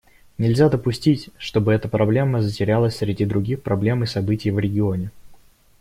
Нельзя допустить, чтобы эта проблема затерялась среди других проблем и событий в регионе.